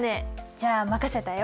じゃあ任せたよ。